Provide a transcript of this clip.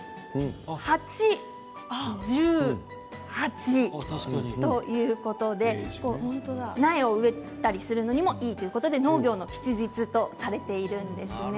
八十八ということで苗を植えたりするのにもいいということで農業の吉日とされているんですね。